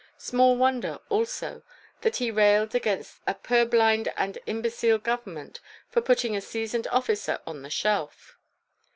Small wonder, also, that he railed against a purblind and imbecile government for putting a seasoned officer on the shelf.